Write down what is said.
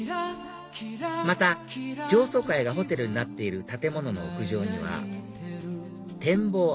また上層階がホテルになっている建物の屋上には展望